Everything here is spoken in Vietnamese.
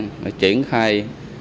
để triển khai